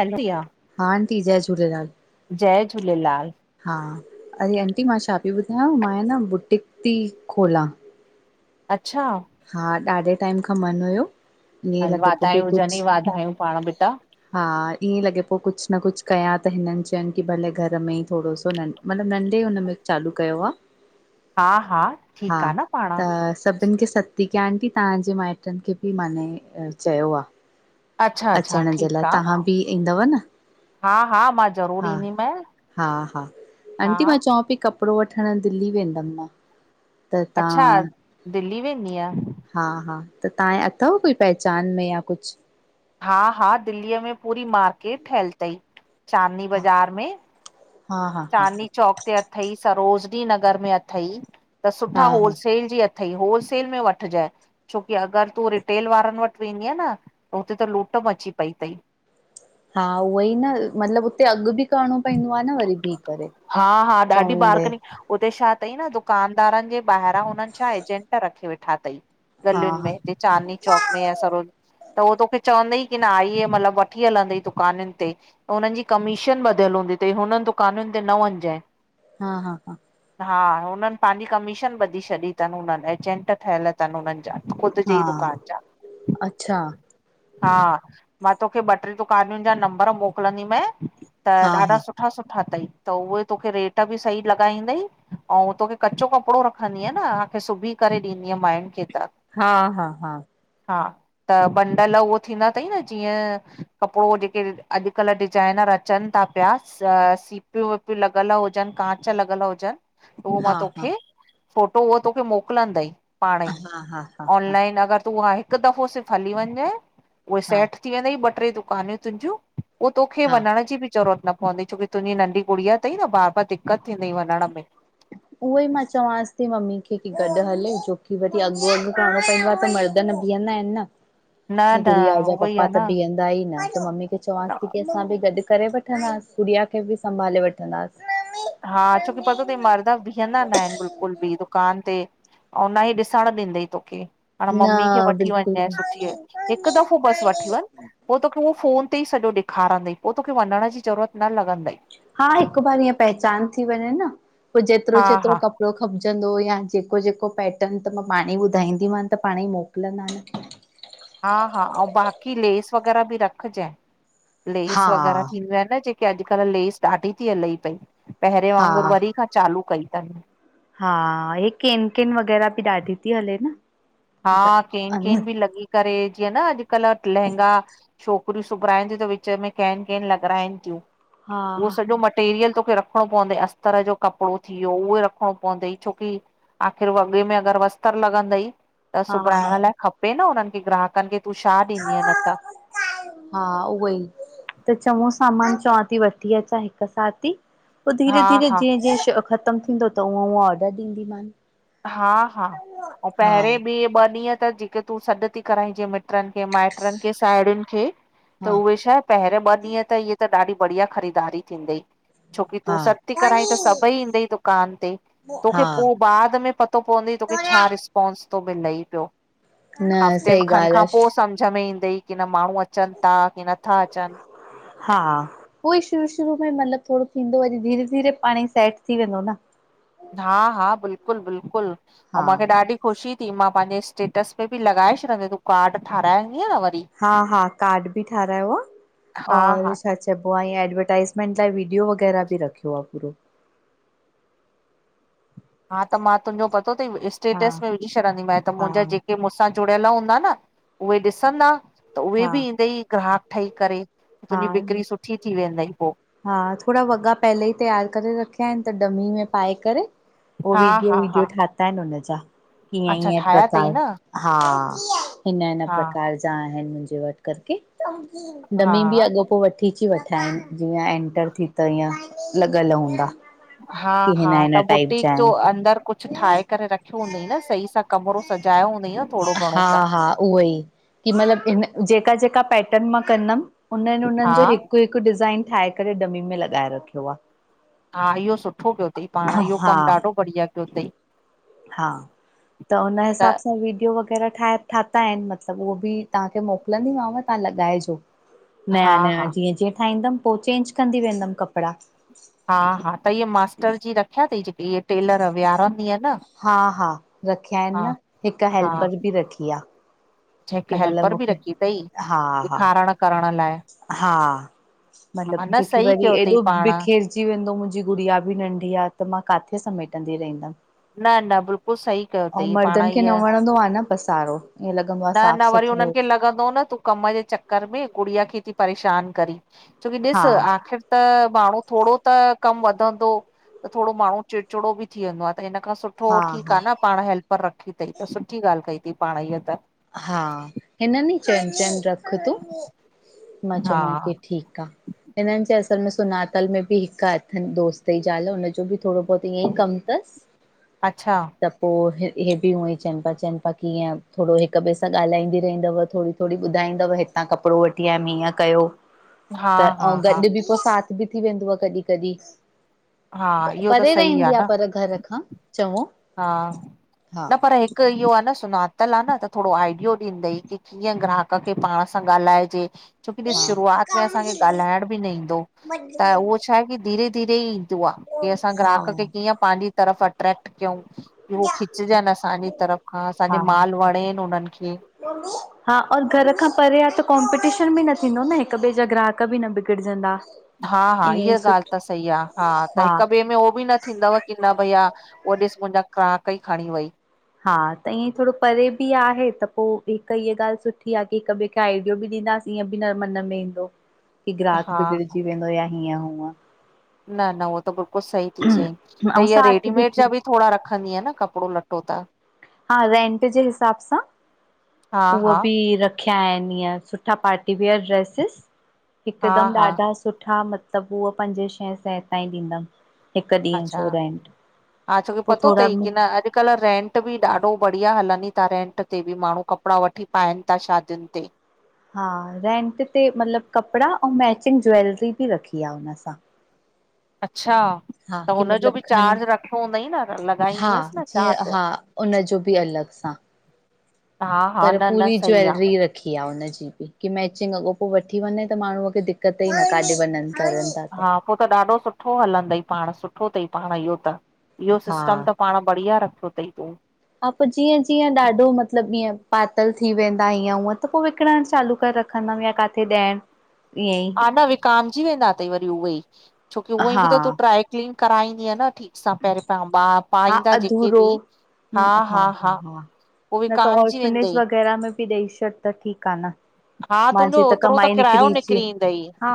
Healthy आ। हा aunty, जय झूलेलाल। जय झूलेलाल। हा अरे आंटी मां छा पई ॿुधायांव मां आ न बुटीक थी खोलां। अच्छा। हा ॾाढे टाइम खां मन हुयो। ईअं हल लॻे पियो की वाधायूं हुजन कुझु ई, वाधायूं पाण बेटा। हा ईअं लॻे पो कुछ न कुछ कयां त हिनन चयन की भले घर में ई थोडो सो न मतलब नंढे हुन में चालू कयो आ। हां, हां, ठीक आ न पाण। सभिन खे सत्तं ती कयां, आंटी! तव्हांजे माइट्रेन खे ॿि माने चयो आ। अच्छा अच्छा अच्राण जे लाए, ठीकु आहे तव्हां ॿि ईंदव न। हा हा मां ज़रूरु हां, ईंदीमांइ हां-हां, हा आंटी, मां चवां पई क कपड़ो वठण दिल्ली वेंदम मां। त अच्छा, दिल्ली वेंदीय? हां-हां, त तव्हांजे अथव कोई पहचान में या कुछ? हां-हां, दिल्लीअ में पूरी मार्केट ठहयल तई। चांदनी हा बाज़ार में, हा हा हा हा चांदनी चौक ते अथई, सरोजनी नगर में अथई, त हा सुठा होलसेल जी अथ थई, होलसेल में वठजाए। छोकी अगर तूं रिटेल वारन वट वेंदीअ न त हुते त लूट म अची पई तई। हां, उहो ई न। मतलब उते अघु बि करिणो पवंदो आ न। वरी बीह करे, हा हा ॾाढी चवीदे बारकनी उते छा अथई न, दुकानदारन जे ॿाहिरां हुनन छा एजेंट रखे वेठा अथई। हा गलियुन हा में, चांदनी चौक में या सरोज त, उह तोखे चवंद-की न आइए, मतलब वठी हलंद दुकानन ते त हुनन जी कमी कमीशन ॿधल हूंदीई थई। हुनन दुकानन ते न वञजाए। हां, हां-हां। हां, हुनन पंहिंजी कमीशन ॿधी छॾी तन। हुनन एजेंट ठहियल अथन हुनन जा। ख़ुद जी हा ई दुकान जा। अच्छा हां, मां तोखे ॿ टे दुकानुंन जा नंबर मोकलंदी मैइ, त हा ॾाढा हा सुठा सुठा-सुठा अथई। त उहे तोखे रेट बि सही लॻाईंदई। ऐंऊ, तोखे कचो कपड़ो रखंदी। अनां सिभी करे ॾींदीअ माययुन खे त। हां, हां-हां। हां, त बंडल उहो थींदा अथई, न जीअं कपड़ो जे के अॼुकल्हु डिज़ाईनर अचनि था पिया, सीपियूँ वीपियूँ लॻिल हुजनि, कांच लॻियल हुजनि। उहो मां हा हा हा तोखे, फोटो उहा तोखे मोकिलंदइ। पाणंई, हा हा हा ऑनलाइन अगरि तूं उहा हिकु दफ़ो सिर्फ़ हली वञञइं, उहे हा सेठ थी वेंदइ ॿ ट्रे दुकानूं तुंजियूं, पोइ तोखे हा वञण जी बि ज़रूत न पवंदइ, छोकी तुंहिंजी नंढी गुड़िया अथई न बार-बार दिक़त थींदइ वञण में। उहो ही मां चंवासि थी मम्मी खे कि गॾु हले, छोकी वरी अॻु-अॻु करणो पवंदो आहे त मर्- बीहंदा आहिन न, न न गुङिया जा उहो ई पापा आहे त न बीहंदा इन, त मम्मी खे चवांस थी, कि असां बि गॾु करे वठंदासीं। गुड़िया खे बि संभाले वठंदासीं। हां, छोकी पतो तई, मर्द बीहंदा न आहिन बिलकुल बि। दुकान ते, ऐं न ई ॾिसण ॾींदाइ तोखे। हाणे मम्मी खे न वठी वञ बिल्कुल जे, सुठी! हिकु दफ़ो बस वठी वञ। पो तोखे उहो फ़ोन ते ई सॼो ॾेखारंदई, पो तोखे वञण जी ज़रूरत न लॻंदई। हां, हिक बार ईं पहचान थी वञे न। पोइ हा जेतरो-जेतरो हा कप कपड़ो खपजंदो या, जेको-जेको पैटर्न, त मां पाणे ई ॿुधाईंदीमनि त पाणे ई मोकलिंदा न। हां-हां, अऊं बाकी लेस वग़ैरह बि रखजें। हा लेस वग़ैरह थींदियूं आहिन न जेके की, अॼुकल्हु लेस ॾाढी थी हलई पई। पहिरे हा वांगुर वरी खां चालू कई तनि। हां, हे केन-केन वग़ैरह बि ॾाढी थी हले न? हां, केन-केन बि लॻी करे, जीअं न अॼुकल्ह लहंगा छोकिरियूं सुबराइन तियूं त विच में केन-केन लॻराइनि तियूं। हा उहो हा सॼो म मटेरियल तोखे रखिणो पवंदइ। अस्तर जो कपड़ो थी वियो, उहे रखिणो पवंदइ। छोकि आखिर वॻे में अगर अस्तर लॻंदई त हा सुभायण हा लाइ खपे न हुननि खे ग्राहकनि खे तूं छा ॾींदीअ न त? हा, उहो ई! त चञों सामान चवां ती वठी अचां हिकु साथ ही। पो हा धीरे-धीरे, हा जीअं-जीअं ख़तम थींदो त उअं-उअं ऑडर ॾींदी मान। हा-हा, अऊं पहिरें बि ॿ ॾींहं त जेके तूं सॾु ती कराईं जे मि मिट्रनि खे, माइट्र्नि खे, साहेड़ियुनि खे, हा त उहे छाय पहिरें ॿ ॾींहं त हीअ त ॾाढी बढ़िया ख़रीदारी थींदइ। छोकि तूं हा सॾ ती कराईं त सभई इंदई दुकान ते हा तोखे पोइ बाद में तो पावंदी तोखे छा रिस्पांस तो मिले ई पियो। न हफ़्ते सही खण ॻाल्हि खां आहे। पो समझ में ईंदई, कीनह माण्हूं अचनि ता की नथा अचनि। हा उहो ई शुरू-शुरू में मतलबु थोङो थींदो वरी धीरे-धीरे पाणे ई सेट थी वेंदो, न? हा-हा, बिल्कुल-बिल्कुल! अऊं हा मूंखे ॾाढी ख़ुशी थी। मां पंहिंजे स्टेटस ते बि लॻाए छॾींदी, तूं कार्ड ठाराएंदीअ न वरी? हा-हा, कार्ड बि ठहरायो आ हा और हा छा त पो अऐं एडवरटाइज़मेंट लाइ वीडियो वग़ैरह बि रखियो आहे पूरो। हा त मां, तुंजो पतो थई हा स्टेटस में विझी छॾंदीमांइ त हा मुंहिंजा जेका के मूंसां जुड़ियल हूंदा न, उहे ॾिसंदा, त उहे हा बि ईंदई ग्राहक ठही करे। तुंजी हा बिकरी सुठी थी वेंदई पो। हा, थोड़ा वॻा पहले ई तैयार करे रखिया आहिन त डमी में पाए करे उवे हा वीडियो हा हा वीडियो ठाता आहिन हुनजा, कीअं अच्छा ईअं ठाहिया अथई प्रकार न हा, हिन-हिन हा प्रकार जा आहिन मुंहिंजे वटि करके। हा डमी बि अॻोपो वठी ती वठाएं। जीअं एंटर थी त ईअं लॻल हूंदा। की हिन हा-हा, हिन त टाइप बुटीक जा जो आहिनि अंदर कुझ कुझ ठाहे करे रखियो हूंदई न? सही सां कमरो सजायो हूंदई न? थोरो घणो त हा-हा, उहो ई! कि मतलबु इ जेका-जेका पैटर्न मां कंदमि हुनन उननि हा जो हिकु-हिकु डिज़ाइन ठाहे करे डमी में लॻाए रखियो आ। हा इहो सुठो कयो थई, पाण इहो हा कम ॾाढो बढ़िया कयो अथई। हा त ्हुन त हिसाब सां वीडियो वग़ैरह ठाहे। ठाता आहिन मतलब उहो बि तव्हांखे मोकिलंदीमांव, तव्हां लॻाइजो। हा नयाां नयाां हा जीअं जीअं ठाहींद वेंदम, पो चेंज कंदी वेंदमि कपड़ा। हा हा, त इहा मास्टर जी रखिया अथई जेके इहे टेलर विहारंदीअ न। हा हा रखिया आहिन हा न, हिक हा हेल्पर बि रखी आहे। हिक की महिल हेल्पर बि मूंखे रखी थई हा हा ॾेखारण करण लाइ! हा मतलब हा न जोकी सही वरी कयो अथई एॾो पाण बिखर अची वेंदो, मुंहिंजी गुड़िया बि नंढी आ त मां काथे समेटंदी रहन्दंम। न न बिल्कुलु सही कयो ऐं अथई पाण मर्दन खे न हीअ वणंदो आ न पसारो ईअं लॻंदो आहे साफ़ सुथिरो मुखे लॻंदो न तूं कम जे चक्कर में गुड़िया खे थी परेशान करी, छोकि ॾिस हा आख़िर त माण्हू थोङो त कम वधंदो त थोङो माण्हू चिड़चिड़ो बि थी वेंदो आ। त हिन खां सुठो हा ठीक हा आ न, पाण हेल्पर रखी अथई त सुठी ॻाल्हि कई अथई पाण हीअं त। हा हिनन चैयन, चैयन रख तूं मां हा चयोम कि ठीक आ। हिनन च्यसु त सुञातल में बि हिक दोस्त जी ज़ाल हुन जो बि थोरो बहुत ईअं ई कम तस। [inaudible] अच्छा? त पोइ हे, बि हूअं ई चयनता, चयनता की इअं थोरो हिक ॿिए सां ॻाल्हाईंदी रहंदव थोरी थोरी ॿुधाईंदव हितां कपड़ो वठी आयम हीअं कयो। हा त हा ओ गॾ हा बि पोइ साथ बि थी वेंदो आहे कॾहिं हा कॾहिं। इहो त परे सही रहंदी आहे न पर घर खां चॾओ। हा। न पर हिकु इहो आहे न सुञातल आ न त थोरो आइडियो ॾींदई की कीअं ग्राहक खे पाण सां ॻाल्हाइजे। छोकी ॾिस हा शुरूआत में असांखे ॻाल्हाइण बि न ईंदो त उहो छाहे की धीरे धीरे ई। दुआ की असां ग्राहक खे हा कीअं पाहन्जी तरफ अट्रेक्ट कयूं। हु खिचजन असांजे तरफ़ खां असांखे माल वणे उनन खे। सोनु [unintelligible] हा और घर खां परे आ त कॉम्पिटीशन बि न थींदो न हिक ॿिए जा ग्राहक बि न बिगड़जंदा। हा, हा, ईअं ई इहा ॻाल्ह सुठो त सही आ। हा त हिक ॿिए में उहो बि न थींदव। की न भईया ओ ॾिस मुंहिंजा कीड़ाक् ई खणी वई। हा त ईअं थोरो परे बि आहे त पो हिक। हीअ ॻाल्हि सुठी आ की हिक ॿिए खे हिक आइडियो बि ॾींदासीं ईअं बि न मन में ईंदो की ग्राहक हा बिगड़जी वेंदो या हीअं हूअं। न। न, उहो त बिल्कुल सही थी चई ऐं त इहा साथ रेडीमेड जा थी बि थोडा रखंदी आहे न कप कपड़ो लटो त। हा रेंट जे हिसाब सां हा उहो हा बि र खिया आहिनि ईअं सुठा पार्टीवियर ड्रेसिस हा हिकदमि हा ॾाढा सुठा मत त पो उहो पंजे छह सै ताईं ॾींदम। अच्छा। हा तोखे पो पतो थई थोरा की न अॼुकल्ह रेंट? ते भी ॾाढो बढ़िया हलनिता रेंट ते बि माण्हू कपड़ा वठी पाइन ता शादियूं ते। हा रेंट ते मतलब कपड़ा ऐं मैचिंग ज्वैेलरी बि रखी आ हुन सा। अच्छा? हा। त की हुनजो मतलब बि खणी, चार्ज रखिणो हूंदई न हा लॻाईंदीअसि न जीअं चार्ज हा हुनजो बि अलग। हा। हा हा पर न न पूरी सही ज्वेलरी रख कि हा हुनंजी बि की मैचिंग अॻोप वठी वञे त माण्हूअ खे दिक़त ई न काॾे वञन करण। हा। पो त ॾाढो सुठो हलंदई पाण सुठो थई, पाण इहो त। इहो हा। सिस्टम त। पाण बढ़िया रखियो थई तूं। हा। पो जीअं जीअं ॾाढो मतलब ईअं पातल थी वेंदा ईअं हूअं त पो विकिणण चालू करे रख। के [unintelligible] नवें का वठी ॾहे हा। न विकामजी वेंदा तई वरी उहे ई। छोकी उअई हा बि त तूं ड्राए क्लीन कराईंन्दीय न ठीक। सां पहिरियों प पा हा पाईंदा जेके अधूरो बि हा, हा, हा। पो न त विकामजी ऑर्फिनेज वेंदई वग़ैरह में बि ॾेई छॾ त ठीकु आ न। हा मा, तुंहिंजो जी त ओतिरो कमाई किरायो निकरी। जी निकिरी ईंदई हा।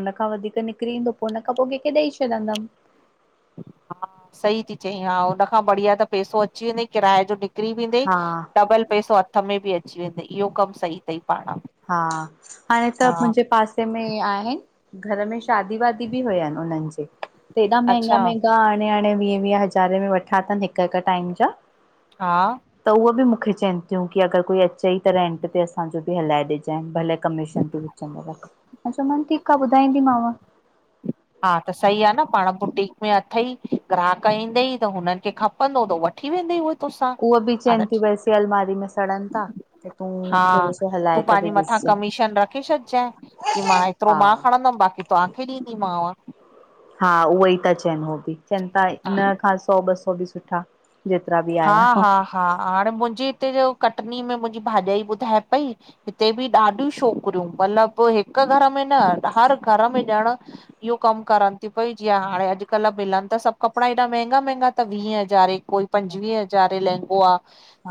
उन खा वधीक निकिरी ईंदो पोइ हुन खां पोइ कंहिंखे ॾेई छॾंदमि। हा। सही थी चई हा हुन खां बढ़िया त पेसो अची वञे किराए जो निक निकरी वेंदई हा डबल पैसो हथ में बि अची वेंदई इहो कमु सही तई। हा। हणे त मुंहिंजे पास तई में आहिनि घर में शादी वादी बि हुयानि उन्हनि जे। त हेॾा महांंगा, अच्छा महांगा हाणे, हाणे वीह वीह हज़ारे में वठा अथनि हिकु, हिकु टाइम जा। हा। त उहे बि मूंखे चवनि थियूं की अगरि कोई अचेई त रेंट ते असांजो बि हलाए ॾिजए, भले कम्मिशन तूं विच में रख, मां चय- मान ठीक आ ॿुधाईंदीमाव। हा त सही आ न पाण बुटीक में अथई, ग्राहक ईंदई त हुननि खे खपे ख़पनो त वठी वेंद ई उए। उव बि चवनि थियूं वैसे अलमारी में सड़नि था त तूं हा थोरो सो हलाए तूं करे पंहिंजी मथां ॾिसजांइ कमीशन रखी छॾजांइ, की मां एतिरो हा मां खणंदमि बाक़ी तव्हांखे ॾींदीमांव। हा उहे ई ता चनि उ बि चवनि था इ खां सौ ॿ सौ बि सुठा जेतिरा बि हा, हा, हा, हाण मुंहिंजे हिते जो कटनी में मुंहिंजी भाॼाई ॿुधाए पई हिते बि ॾाढियूं छोकिरियूं मतलब हिक घर में न हर घर में ॼण इहो कमु करनि थी पई, जीअं हाणे अॼुकल्ह मिलनि त सभु कपिड़ा हेएॾा महॻा, महॻा त वीह हज़ारे को पंजवीह हज़ार लहंगो आह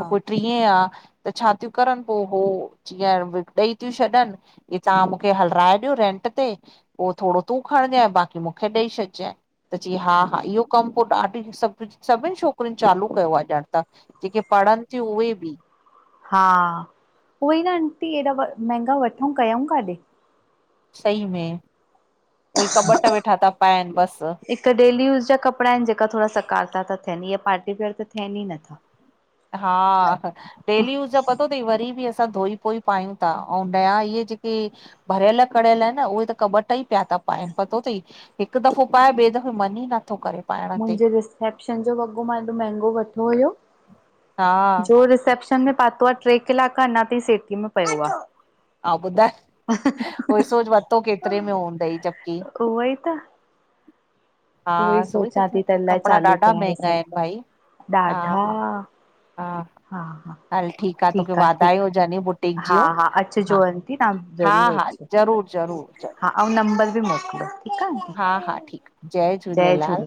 त कु ट्रीए आ त छा थियूं करनि पोइ हो जीअं ॾेई थियूं छॾनि इ तव्हां मूंखे हलराए ॾियो रेंट ते पोइ थोरो तूं खणिजइ, बाक़ी मूंखे ॾेई छॾिजांइ त च्यी हा हा इहो कमु पोइ ॾाढी आ सभ सभिनि छो [unintelligible] चालू कयो आ ॼण ता जेके पढ़नि थियूं उहे बि। हा, उहई न आंटी हेॾा व महांंगा वठूं कयूं काॾे? सई में, उए कॿटु वेठा था पाइनि बसि। त डेल यूस जा कपिड़ा आहिनि जेका थोरा सकारता था थियनि, इया पार्टी वेर त थियनि ई नथा। हा, डेली यूस पतो थई वरी बि असां धोई पोई पायूं था ऐं नया इहे जेके के भरियल करयल आहे न उहे त कॿट [unintelligible] ई पिया त पाइनि पतो थई। हिकु दफ़ो पाए, ॿिए दफ़े मन ई नथो करे। पाइण ते मुंहिंजे रिसेप्शन जो वॻो मां हेॾो महांगो वरिठो हुयो हा जोे रिसेप् में पातो आ, ट्रे कलाक अञा ताईं सेटी में पयो आ। अव ॿुधाए उहो सोच वरितो केतिरे में हूंदई ज़ब की उहो ई त हा उहो ई सोई त सोचां थी [unintelligible] अलाए कपिड़ा चालू ॾाढा कयां हे महगा आहिनि सभु भाई, कमु हा, ॾाढा हा। हा, हा हा ह। हल ठीकु आ, तोखे आहे वाधायूं ठीकु हुजनि बुटीक आहे हा जूं, हा हा, अचिजो आंटी तव्हां हा, ज़रूरु हा। अचिजो ज़रूर, ज़रूर, ज़रूर। हा ऐं नंबर बि मोकिलियो ठीकु आ न। हा हा, ठीक आ, जय झूलेलाल।